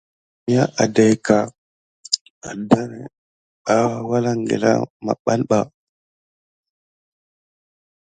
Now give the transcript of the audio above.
Səm ya áɗaïkiy aɗan ka na wure kilin ɓà.